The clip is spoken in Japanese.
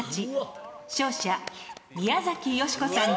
勝者宮崎美子さんです。